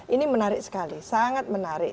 ini menarik sekali sangat menarik